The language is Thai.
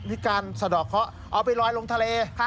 มีการสะดอกเคาะเอาไปลอยลงทะเล